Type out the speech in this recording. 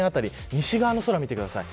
西側の空を見てください。